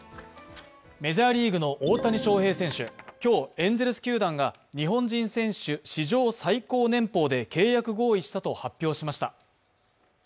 メジャーリーグの大谷翔平選手、今日エンゼルス球団が日本人史上最高年俸で契約合意したと発表しました。